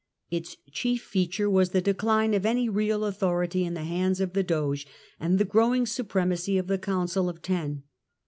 Its chief feature was the decline of any real authority in the hands of the Doge and the growing supremacy of the Council of Ten.